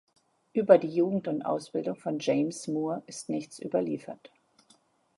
Über die Jugend und Ausbildung von James Moore ist nichts überliefert.